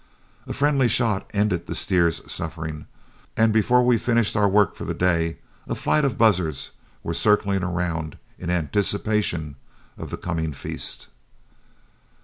A friendly shot ended the steer's sufferings, and before we finished our work for the day, a flight of buzzards were circling around in anticipation of the coming feast.